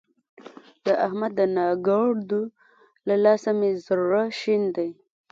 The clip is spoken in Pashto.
د احمد د ناکړدو له لاسه مې زړه شين دی.